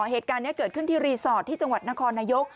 เหตุการณ์นี้เกิดขึ้นที่รีสอร์ทที่จังหวัดนครนายก